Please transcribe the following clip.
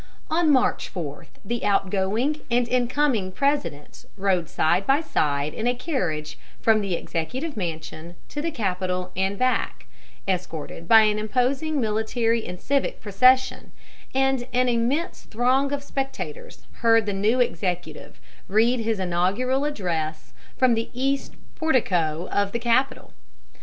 On March 4 the outgoing and incoming Presidents rode side by side in a carriage from the Executive Mansion to the Capitol and back, escorted by an imposing military and civic procession; and an immense throng of spectators heard the new Executive read his inaugural address from the east portico of the Capitol.